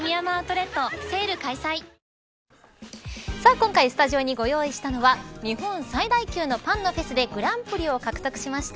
今回スタジオにご用意したのは日本最大級のパンのフェスでグランプリを獲得しました